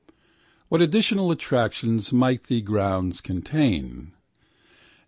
What additional attractions might the grounds contain?